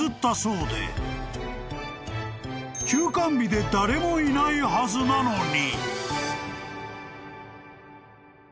［休館日で誰もいないはずなのに］